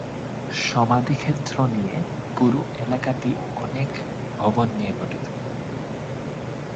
সমাধিক্ষেত্র নিয়ে পুরু এলাকাটি অনেক ভবন নিয়ে গঠিত।